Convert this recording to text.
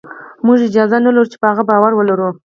موږ اجازه نه لرو چې په هغه باور ولرو